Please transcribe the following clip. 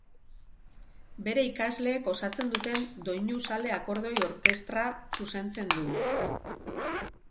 Bere ikasleek osatzen duten Doinu Zale akordeoi orkestra zuzentzen du.